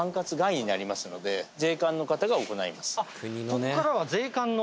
ここからは税関の？